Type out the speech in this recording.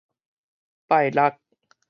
拜六